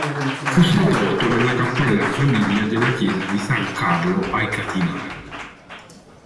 Fu sepolto nella cappella di famiglia della chiesa di San Carlo ai Catinari.